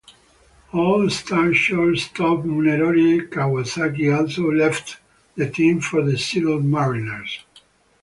All star shortstop Munenori Kawasaki also left the team for the Seattle Mariners.